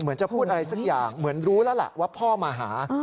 เหมือนจะพูดอะไรสักอย่างเหมือนรู้แล้วล่ะว่าพ่อมาหา